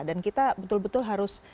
dan kita betul betul harus